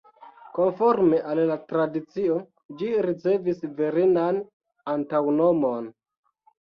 Konforme al la tradicio, ĝi ricevis virinan antaŭnomon.